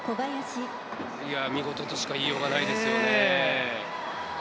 見事としか言いようがないですね。